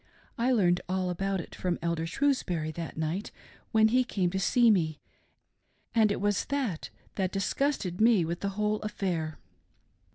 I learned all about it from Elder Shrewsbury that night when he came td see me, and it was that that disgusted me with the whole affair."